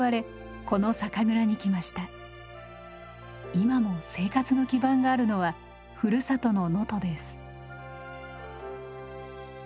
今も生活の基盤があるのはふるさとの能登です。